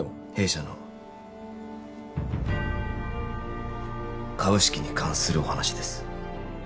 弊社の株式に関するお話です